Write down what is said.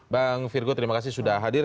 bang virgo terima kasih sudah hadir